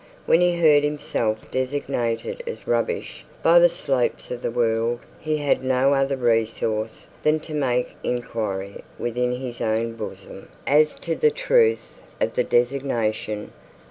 When he heard himself designated as rubbish by the Slopes of the world, he had no other recourse than to make inquiry within his own bosom as to the truth of the designation.